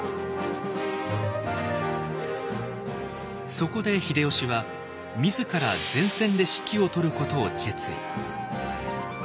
そこで秀吉は自ら前線で指揮を執ることを決意。